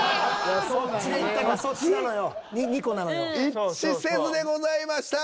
一致せずでございました。